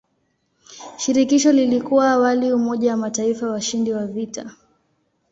Shirikisho lilikuwa awali umoja wa mataifa washindi wa vita.